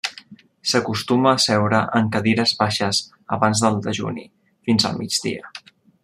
S'acostuma a seure en cadires baixes abans del dejuni, fins al migdia.